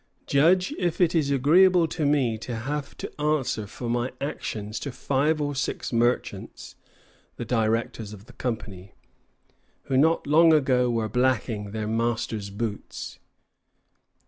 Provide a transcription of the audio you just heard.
Judge if it is agreeable to me to have to answer for my actions to five or six merchants [the directors of the company], who not long ago were blacking their masters' boots."